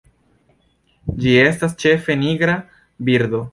Ĝi estas ĉefe nigra birdo.